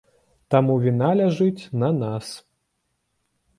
Таму віна ляжыць на нас.